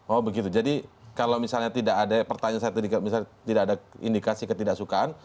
oh begitu jadi kalau misalnya tidak ada pertanyaan saya tidak ada indikasi ketidaksukaan